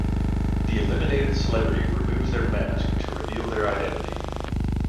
The eliminated celebrity removes their mask to reveal their identity.